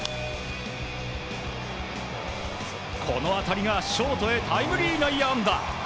この当たりが、ショートへタイムリー内野安打。